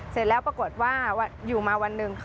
เสร็จแล้วปรากฏว่าอยู่มาวันหนึ่ง